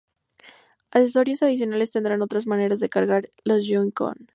Accesorios adicionales tendrán otras maneras de cargar los Joy-Con.